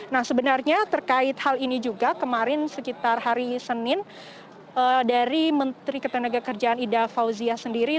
nah sebenarnya terkait hal ini juga kemarin sekitar hari senin dari menteri ketenagakerjaan ida fauzia sendiri